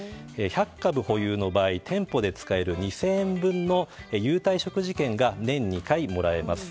１００株保有の場合店舗で使える２０００円分の優待食事券が年２回もらえます。